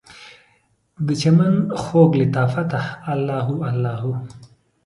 دچمن خوږ لطافته، الله هو الله هو